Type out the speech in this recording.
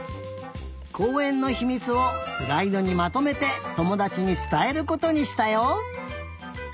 こうえんのひみつをスライドにまとめてともだちにつたえることにしたよ。